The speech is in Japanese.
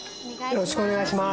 よろしくお願いします